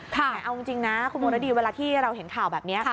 แต่เอาจริงนะคุณมรดีเวลาที่เราเห็นข่าวแบบนี้